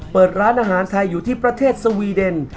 เปิดร้านอาหารไทยอยู่ที่ประเทศสวีเดน